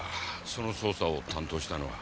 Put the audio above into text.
その捜査を担当したのは。